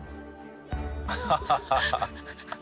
ハハハハ！